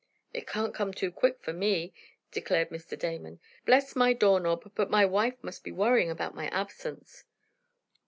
"It can't come any too quick for me!" declared Mr. Damon. "Bless my door knob, but my wife must be worrying about my absence!"